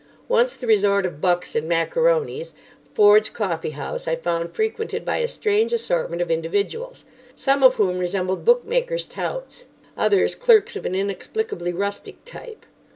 Once the resort of bucks and Macaronis, Ford's coffee house I found frequented by a strange assortment of individuals, some of whom resembled bookmakers' touts, others clerks of an inexplicably rustic type.